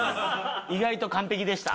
意外と完璧でした。